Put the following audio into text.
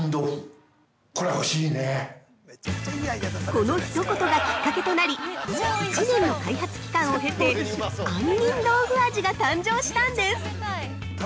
◆この一言がきっかけとなり、１年の開発期間を経て、杏仁豆腐味が誕生したんです！